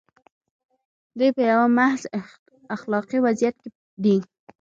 دوی په یوه محض اخلاقي وضعیت کې دي.